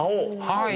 はい。